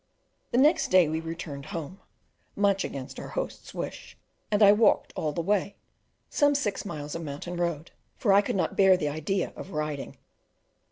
The next day we returned home, much against our host's wish; and I walked all the way, some six miles of mountain road, for I could not bear the idea of riding.